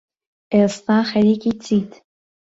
ئێستا خەریکی چیت؟